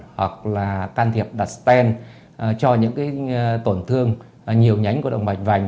hoặc là can thiệp đặt stent cho những cái tổn thương nhiều nhánh của động mạch vành